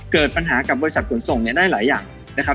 เกิดปัญหากับบริษัทขนส่งเนี่ยได้หลายอย่างนะครับ